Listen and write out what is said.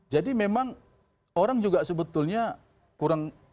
jadi memang orang juga sebetulnya kurang